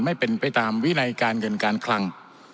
ไม่เป็นไปตามวินัยการเงินการคลัง